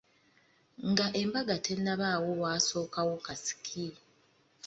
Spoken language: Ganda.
Nga embaga tennabaawo, wasookawo kasiki.